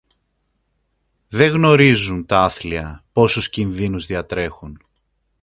Δεν γνωρίζουν, τα άθλια, πόσους κινδύνους διατρέχουν.